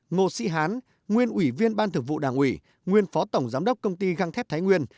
ngô sĩ hán nguyên ủy viên ban thường vụ đảng ủy nguyên phó tổng giám đốc công ty găng thép thái nguyên